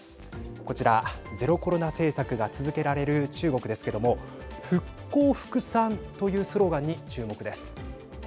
こちら、ゼロコロナ政策が続けられる中国ですけれども復工復産というスローガンに注目です。